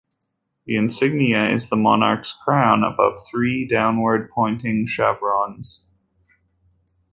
The insignia is the monarch's crown above three downward pointing chevrons.